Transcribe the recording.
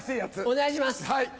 お願いします。